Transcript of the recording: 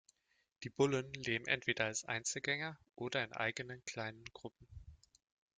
Die Bullen leben entweder als Einzelgänger oder in eigenen kleinen Gruppen.